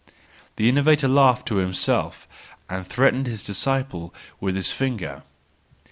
—The innovator laughed to himself and threatened the disciple with his finger.